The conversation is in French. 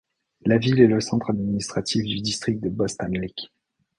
La ville est le centre administratif du district de Bostanliq.